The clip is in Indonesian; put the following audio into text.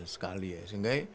sekali ya sehingga